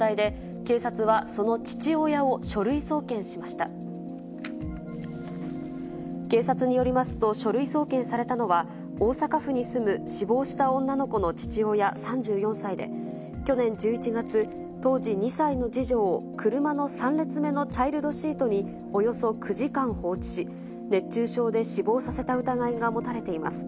警察によりますと、書類送検されたのは、大阪府に住む死亡した女の子の父親３４歳で、去年１１月、当時２歳の次女を車の３列目のチャイルドシートにおよそ９時間放置し、熱中症で死亡させた疑いが持たれています。